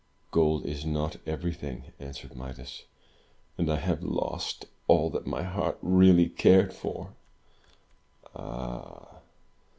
"Gold is not everything," answered Midas. "And I have lost all that my heart really cared for." "Ah!